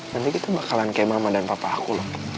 nanti kita bakalan kayak mama dan papa aku loh